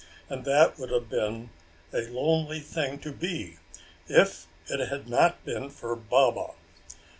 And that would have been a lonely thing to be if it had not been for Baba.